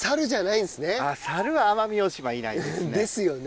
サルは奄美大島いないです。ですよね。